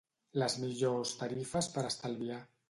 Les millors tarifes per estalviar